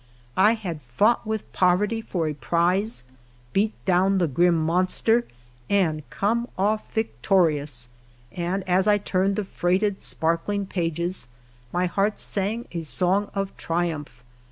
I had fought with poverty for a prize, beat down the grim monster, and come off victorious, and as 1 turned the freighted, sparkling pages, my heart sang a song of triumph.